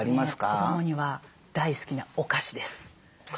子どもには大好きなお菓子です。